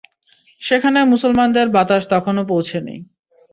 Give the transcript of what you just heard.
সেখানে মুসলমানদের বাতাস তখনও পৌঁছেনি।